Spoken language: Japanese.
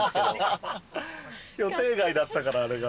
予定外だったからあれが。